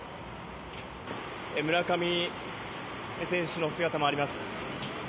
村上選手の姿もあります。